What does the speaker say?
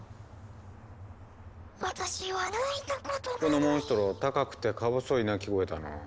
このモンストロ高くてかぼそい鳴き声だな。